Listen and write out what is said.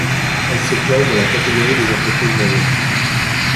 Elle se classe dans la catégorie des entreprises moyennes.